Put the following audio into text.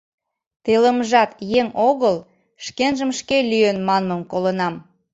Телымжат еҥ огыл, шкенжым шке лӱен манмым колынам.